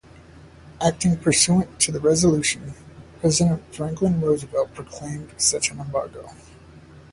Acting pursuant to the resolution, President Franklin Roosevelt proclaimed such an embargo.